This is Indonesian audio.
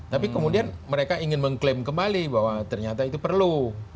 tapi kemudian mereka ingin mengklaim kembali bahwa ternyata itu perlu